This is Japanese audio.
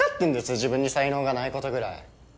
自分に才能がないことぐらい！